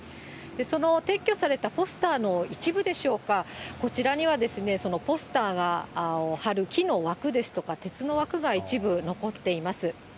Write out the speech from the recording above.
その撤去されたポスターの一部でしょうか、こちらには、そのポスターを貼る木の枠ですとか、鉄の枠が一部残っています。